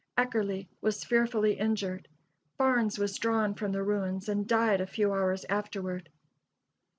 Eckerle was fearfully injured; Barnes was drawn from the ruins, and died a few hours afterward.